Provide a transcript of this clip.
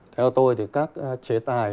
theo tôi thì các chế tài